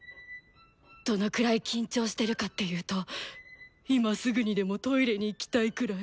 どのくらい緊張してるかっていうと今すぐにでもトイレに行きたいくらい。